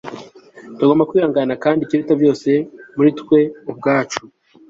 tugomba kwihangana kandi ikiruta byose muri twe ubwacu